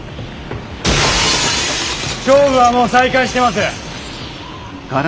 勝負はもう再開してます。